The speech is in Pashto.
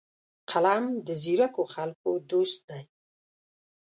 قلم د ځیرکو خلکو دوست دی